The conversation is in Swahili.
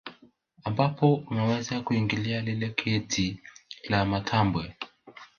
Ambapo unaweza kuingilia lile geti la matambwe